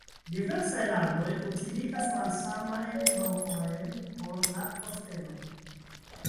Diversaj landoj utiligas malsamajn nomojn por la posteno.